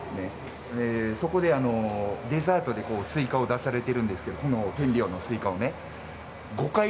そこであのデザートでスイカを出されているんですけどこの天領のスイカをね。